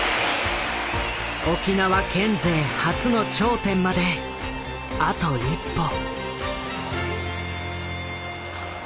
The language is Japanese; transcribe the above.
沖縄県勢初の頂点まであと一歩。